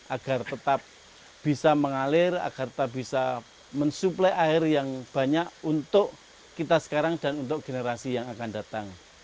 agar tetap bisa mengalir agar bisa mensuplai air yang banyak untuk kita sekarang dan untuk generasi yang akan datang